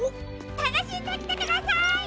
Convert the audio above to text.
たのしんできてください！